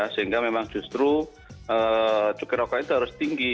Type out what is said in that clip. sehingga memang justru cukai rokok itu harus tinggi